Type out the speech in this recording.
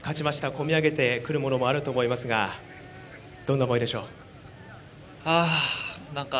込み上げてくるものもあると思いますが、どんな思いでしょうか。